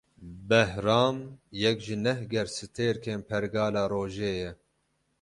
Behram, yek ji neh gerstêrkên Pergala Rojê ye